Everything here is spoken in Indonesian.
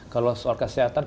kalau soal kesehatan